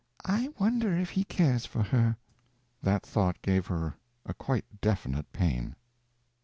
"I wonder if he cares for her." That thought gave her a quite definite pain.